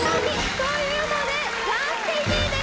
ということで暫定１位です。